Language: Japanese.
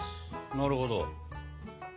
なるほど。